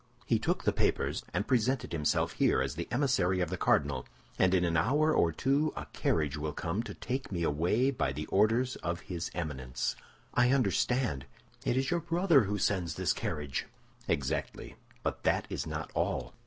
He took the papers, and presented himself here as the emissary of the cardinal, and in an hour or two a carriage will come to take me away by the orders of his Eminence." "I understand. It is your brother who sends this carriage." "Exactly; but that is not all.